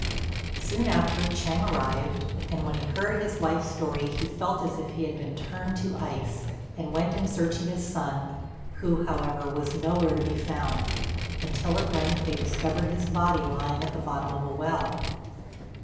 Soon after Ch'êng arrived, and when he heard his wife's story he felt as if he had been turned to ice, and went in search of his son, who, however, was nowhere to be found, until at length they discovered his body lying at the bottom of a well.